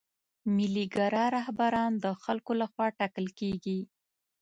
ملي ګرا رهبران د خلکو له خوا ټاکل کیږي.